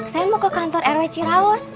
saya mau ke kantor rw ciraus